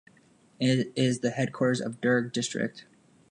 It is the headquarters of Durg District.